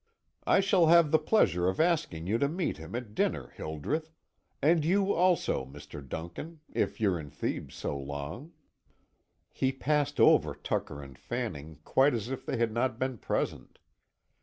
I shall have the pleasure of asking you to meet him at dinner, Hildreth, and you also, Mr. Duncan, if you're in Thebes so long." He passed over Tucker and Fanning quite as if they had not been present.